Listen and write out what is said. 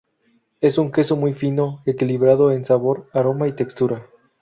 Es un queso muy fino, equilibrado en sabor, aroma y textura.